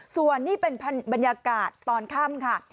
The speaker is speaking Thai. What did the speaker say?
ส่วนนี่เป็นบรรยากาศตอนค่ำค่ะ